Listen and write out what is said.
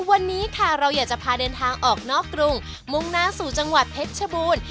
วันนี้ค่ะเราอยากจะพาเดินทางออกนอกกรุงมุ่งหน้าสู่จังหวัดเพชรชบูรณ์